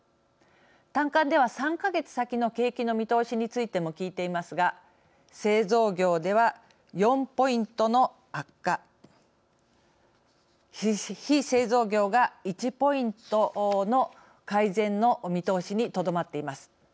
短観では、３か月先の景気の見通しについても聞いていますが製造業では４ポイントの悪化非製造業が１ポイントの改善の見通しにとどまっています。